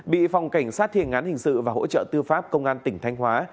bị phòng cảnh sát thiền án hình sự và hỗ trợ tư pháp công an tỉnh thanh hóa